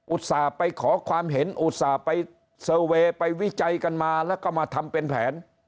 ไปขอความเห็นอุตส่าห์ไปเซอร์เวย์ไปวิจัยกันมาแล้วก็มาทำเป็นแผน